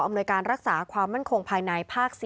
หน่วยการรักษาความมั่นคงภายในภาค๔